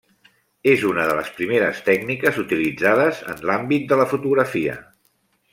És una de les primeres tècniques utilitzades en l'àmbit de la fotografia.